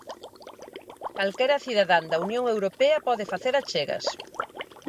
Calquera cidadán da Unión Europea pode facer achegas.